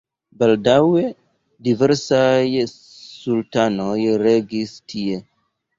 Baldaŭe diversaj sultanoj regis tie.